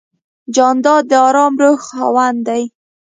جانداد د آرام روح خاوند دی.